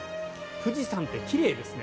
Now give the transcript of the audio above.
富士山って奇麗ですね。